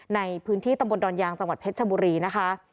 ในพื้นที่ตำบลดอนยางจังหวัดเพชรชบุรีนะคะ